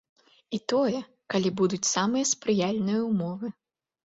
І тое, калі будуць самыя спрыяльныя ўмовы.